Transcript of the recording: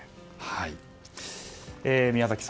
宮崎さん